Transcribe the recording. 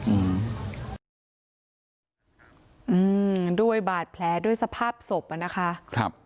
อืมด้วยบาดแผลด้วยสภาพศพนะคะ